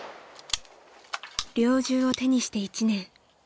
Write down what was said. ［猟銃を手にして１年］